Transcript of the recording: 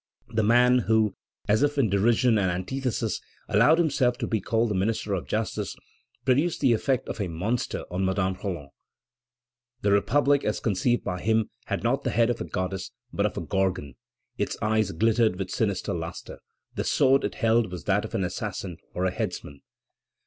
The man who, as if in derision and antithesis, allowed himself to be called the Minister of Justice, produced the effect of a monster on Madame Roland. The republic as conceived by him had not the head of a goddess, but of a Gorgon. Its eyes glittered with a sinister lustre. The sword it held was that of an assassin or a headsman.